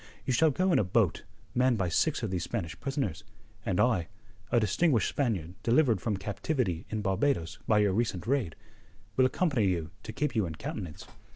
You shall go in a boat manned by six of these Spanish prisoners, and I a distinguished Spaniard delivered from captivity in Barbados by your recent raid will accompany you to keep you in countenance.